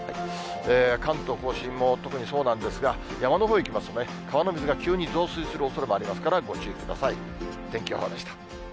関東甲信も特にそうなんですが、山のほうへ行きますと、川の水が急に増水するおそれもありますから、ご注意ください。